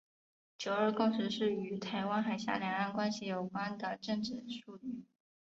九二共识是与台湾海峡两岸关系有关的政治术语。